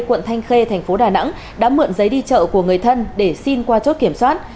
quận thanh khê thành phố đà nẵng đã mượn giấy đi chợ của người thân để xin qua chốt kiểm soát